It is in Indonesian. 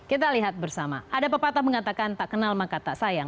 kita lihat bersama ada pepatah mengatakan tak kenal maka tak sayang